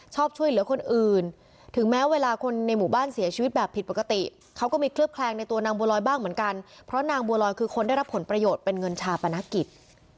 ช่วยเหลือคนอื่นถึงแม้เวลาคนในหมู่บ้านเสียชีวิตแบบผิดปกติเขาก็มีเคลือบแคลงในตัวนางบัวลอยบ้างเหมือนกันเพราะนางบัวลอยคือคนได้รับผลประโยชน์เป็นเงินชาปนกิจ